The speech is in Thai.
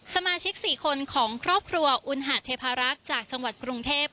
สมาชิก๔คนของครอบครัวอุณหาเทพารักษ์จากจังหวัดกรุงเทพ